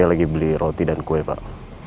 saya lagi beli roti dan kue pak